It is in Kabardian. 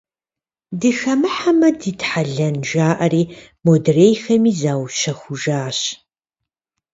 Дыхэмыхьэмэ дитхьэлэн жаӀэри, модрейхэми заущэхужащ.